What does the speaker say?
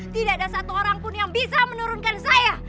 tidak ada satu orang pun yang bisa menurunkan saya